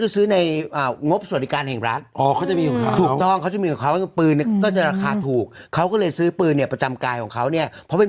ห้าปีอ่ะขนได้ยังไงห้าปีมันเราก็ถามว่าปืนมาจากไหน